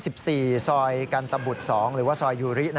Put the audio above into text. ซอยกันตะบุตร๒หรือว่าซอยยูริ